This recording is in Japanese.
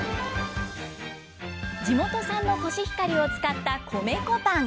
地元産のコシヒカリを使った米粉パン。